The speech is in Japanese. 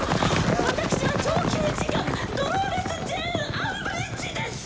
私は上級次官ドローレス・ジェーン・アンブリッジです！